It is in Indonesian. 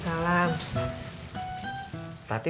karena tante fidz mati